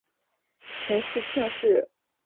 陈嗣庆是李朝晚期陈氏领袖陈李的次子。